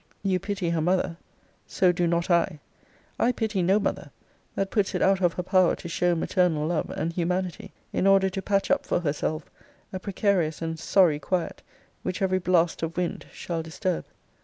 You pity her mother so do not I! I pity no mother that puts it out of her power to show maternal love, and humanity, in order to patch up for herself a precarious and sorry quiet, which every blast of wind shall disturb.